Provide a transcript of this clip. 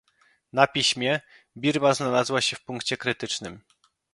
na piśmie - Birma znalazła się w punkcie krytycznym